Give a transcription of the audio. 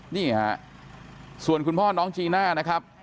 นี่ฮะส่วนคุณพ่อน้องจีน่านะครับ